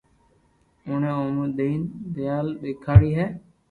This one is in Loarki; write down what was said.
اوڻي امو نين دنيا دآکاري ھي